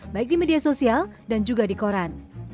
baik di media sosial dan juga di koran